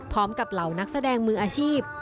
พร้อมกับเหล่านักแสดงมืออาชีพ